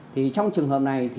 thì trong trường hợp này thì